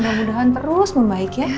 mudah mudahan terus membaik ya